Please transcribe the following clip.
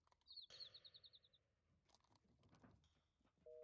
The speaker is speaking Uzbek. Jonivor shunchalik qiynalib jon taslim qilishini bilmagan ekanman